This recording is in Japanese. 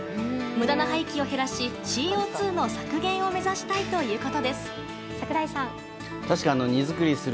無駄な廃棄を減らしＣＯ２の削減を目指したいということです。